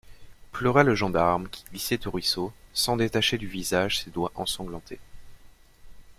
Pleura le gendarme, qui glissait au ruisseau, sans détacher du visage ses doigts ensanglantés.